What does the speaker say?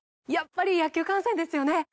やっぱり野球観戦ですよね